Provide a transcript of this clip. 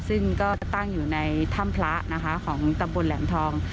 ซึ่งก็ตั้งอยู่ในถ้ำพระนะคะของตำบลแหลมทอง